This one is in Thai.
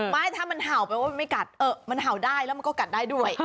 ไม่ถ้ามันเห่าแปลว่ามันไม่กัดมันเห่าได้แล้วมันก็กัดได้ด้วย